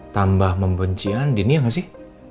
tambah membenci andin iya gak sih